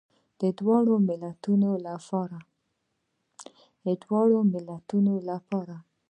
د دواړو ملتونو لپاره.